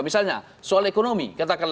misalnya soal ekonomi